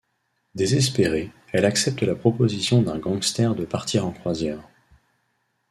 Désespérée, elle accepte la proposition d'un gangster de partir en croisière.